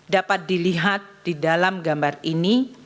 dapat dilihat di dalam gambar ini